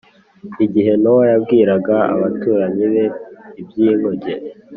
Igihe Nowa yabwiraga abaturanyi be iby inkuge